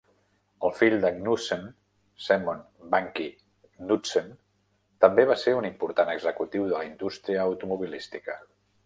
El fill de Knudsen, Semon "Bunkie" Knudsen, també va ser un important executiu de la indústria automobilística.